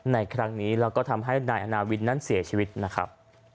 ในครั้งนี้แล้วก็ทำให้นายอาณาวินนั้นเสียชีวิตนะครับ